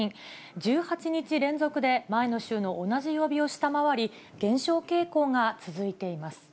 １８日連続で前の週の同じ曜日を下回り、減少傾向が続いています。